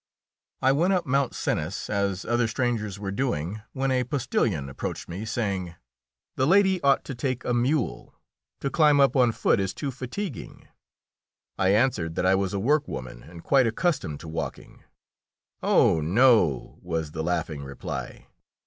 I went up Mount Cenis, as other strangers were doing, when a postilion approached me, saying, "The lady ought to take a mule; to climb up on foot is too fatiguing." I answered that I was a work woman and quite accustomed to walking. "Oh! no!" was the laughing reply.